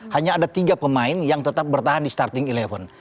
hanya ada tiga pemain yang tetap bertahan di starting eleven